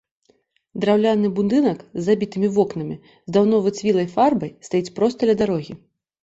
Драўляны будынак з забітымі вокнамі, з даўно выцвілай фарбай стаіць проста ля дарогі.